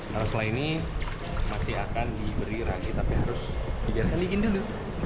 nah setelah ini masih akan diberi rangki tapi harus dibiarkan dingin dulu